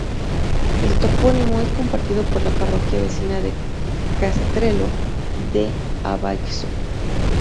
El topónimo es compartido por la parroquia vecina de Castrelo de Abaixo.